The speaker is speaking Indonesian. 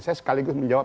saya sekaligus menjawab